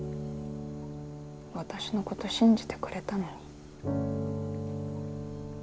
私のこと信じてくれたのに。